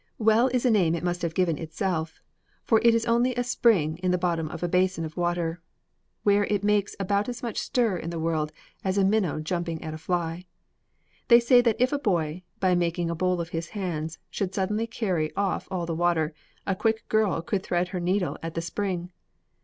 Well is a name it must have given itself, for it is only a spring in the bottom of a basinful of water, where it makes about as much stir in the world as a minnow jumping at a fly. They say that if a boy, by making a bowl of his hands, should suddenly carry off all the water, a quick girl could thread her needle at the spring.